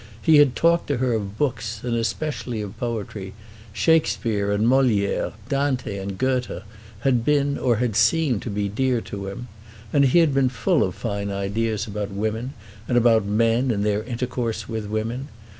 He had talked to her of books, and especially of poetry. Shakespeare and Moliere, Dante and Goethe, had been or had seemed to be dear to him. And he had been full of fine ideas about women, and about men in their intercourse with women.